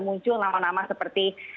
muncul nama nama seperti